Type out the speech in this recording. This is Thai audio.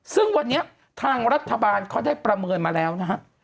ซึ่งวันนี้ทางรัฐบาลเขาได้ประเมินมาแล้วนะฮะ